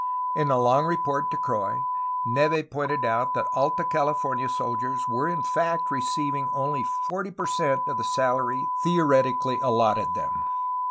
In a long report to Croix, Neve pointed out that Alta California soldiers were in fact receiving only forty per cent of the salary theoretically allotted them.